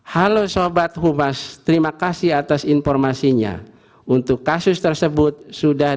halo sobat humas terima kasih atas informasinya untuk kasus tersebut sudah